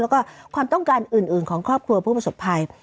แล้วก็ความต้องการอื่นของครอบครัวผู้ประสบภัย